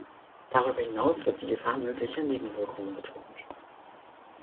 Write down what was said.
Darüber hinaus wird die Gefahr möglicher Nebenwirkungen betont.